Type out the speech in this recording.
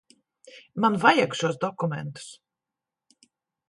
Man vajag šos dokumentus.